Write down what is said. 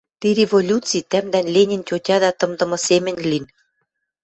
Ти революци тӓмдӓн Ленин тьотяда тымдымы семӹнь лин...